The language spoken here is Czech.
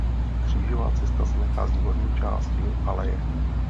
Křížová cesta se nachází v horní části aleje.